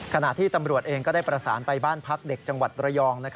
ขณะที่ตำรวจเองก็ได้ประสานไปบ้านพักเด็กจังหวัดระยอง